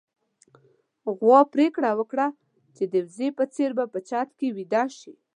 غوا پرېکړه وکړه چې د وزې په څېر په چت کې ويده شي.